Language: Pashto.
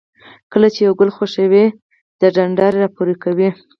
کله چې یو ګل خوښوئ د ډنډره یې را پرې کوئ.